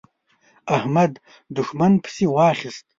احمد؛ دوښمن پسې واخيست.